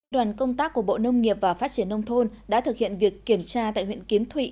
đoàn công tác của bộ nông nghiệp và phát triển nông thôn đã thực hiện việc kiểm tra tại huyện kiến thụy